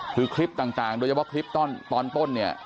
คือคลิปต่างโดยเฉพาะคลิปตอนต้นเนี่ย